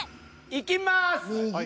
いきます。